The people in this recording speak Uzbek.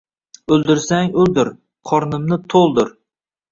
O'ldirsang o'ldir, qornimni to’ldir.